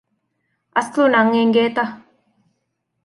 އަސްލު ނަން އެނގޭތަ؟